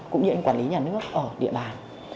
cũng như quản lý nhà nước ở địa bàn